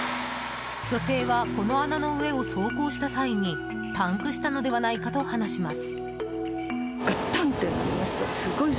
女性はこの穴の上を走行した際にパンクしたのではないかと話します。